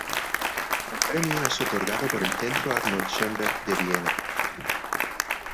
El premio es otorgado por el Centro Arnold Schönberg de Viena.